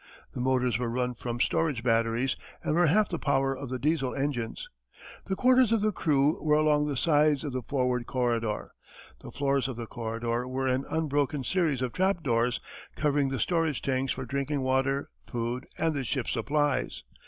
The motors were run from storage batteries and were half the power of the Diesel engines. The quarters of the crew were along the sides of the forward corridor. The floors of the corridor were an unbroken series of trap doors, covering the storage tanks for drinking water, food, and the ship's supplies.